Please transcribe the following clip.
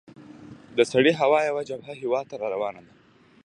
د سړې هوا یوه جبهه هیواد ته را روانه ده.